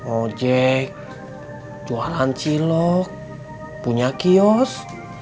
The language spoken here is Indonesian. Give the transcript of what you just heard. ojek jualan cilok punya kios